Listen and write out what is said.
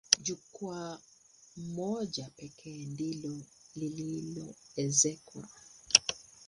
Jukwaa moja pekee ndilo lililoezekwa.